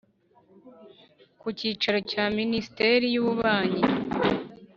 ku cyicaro cya minisiteri y'ububanyi